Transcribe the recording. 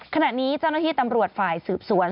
ขณะนี้เจ้าหน้าที่ตำรวจฝ่ายสืบสวน